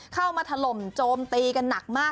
เข้ามาถล่มโจมตีกันหนักมาก